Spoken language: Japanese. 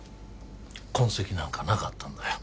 痕跡なんかなかったんだよ